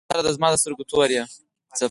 زما د زړه سره زما د سترګو توره ته یې.